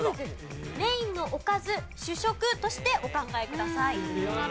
メインのおかず主食としてお考えください。